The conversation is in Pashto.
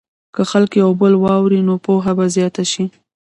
که خلک یو بل واوري، نو پوهه به زیاته شي.